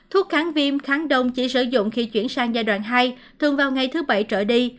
thuốc kháng viêm kháng đông chỉ sử dụng khi chuyển sang giai đoạn hai thường vào ngày thứ bảy trở đi